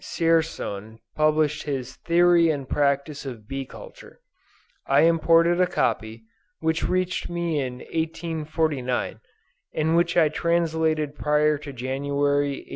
Dzierzon published his "Theory and Practice of Bee Culture," I imported a copy, which reached me in 1849, and which I translated prior to January 1850.